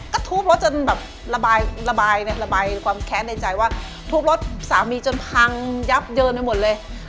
ก็ทุบรถจนแบบระบายระบายความแค้นในใจว่าทุบรถสามีจนพังยับเยินไปหมดเลย